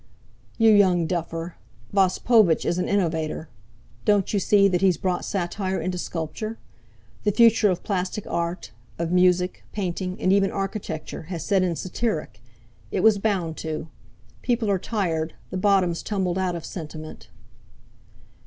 "You young duffer! Vospovitch is an innovator. Don't you see that he's brought satire into sculpture? The future of plastic art, of music, painting, and even architecture, has set in satiric. It was bound to. People are tired—the bottom's tumbled out of sentiment."